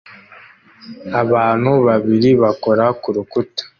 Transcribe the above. Abantu babiri bakora ku rukuta